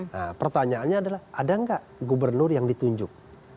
nah pertanyaannya adalah ada nggak gubernur yang ditunjuk